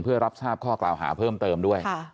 เพื่อรับทราบข้อกล่าวหาเพิ่มเติมด้วย